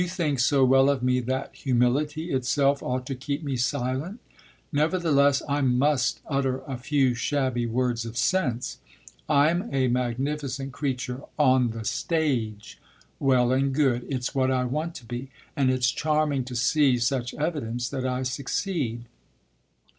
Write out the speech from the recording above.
You think so well of me that humility itself ought to keep me silent; nevertheless I must utter a few shabby words of sense. I'm a magnificent creature on the stage well and good; it's what I want to be and it's charming to see such evidence that I succeed.